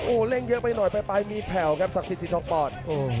โอ้โหเร่งเยอะไปหน่อยไปมีแผ่วครับศักดิ์สิทธิสีทองปอด